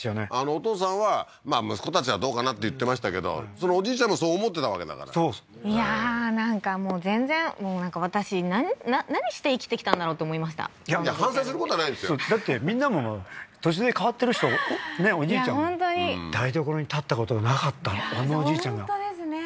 お父さんは息子たちはどうかなって言ってましたけどおじいちゃんもそう思ってたわけだからいやーなんかもう全然なんか私何して生きてきたんだろうと思いました反省することはないんですよだってみんなも途中で変わってる人ねえおじいちゃんもいや本当に台所に立ったことがなかったあのおじいちゃんが本当ですね